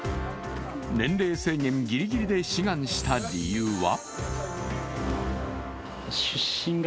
年齢制限ギリギリで志願した理由は？